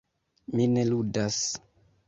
Mi ne ludas.